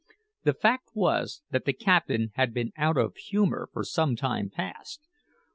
The fact was that the captain had been out of humour for some time past.